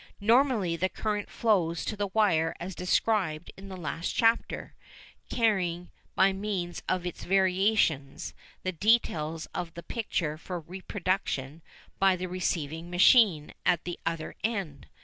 Normally the current flows to the wire as described in the last chapter, carrying by means of its variations the details of the picture for reproduction by the receiving machine at the other end.